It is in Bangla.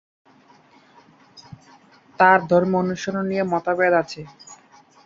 তাঁর ধর্ম-অনুসরণ নিয়ে মতভেদ আছে।